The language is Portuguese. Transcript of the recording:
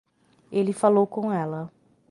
Ele falou com ela.